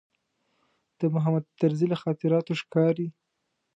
د محمود طرزي له خاطراتو ښکاري.